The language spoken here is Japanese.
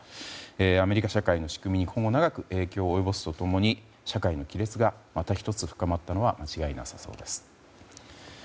アメリカ社会の仕組みに今後長く影響を及ぼすと共に社会の亀裂がまた１つ深まったのは間違いなさそうです。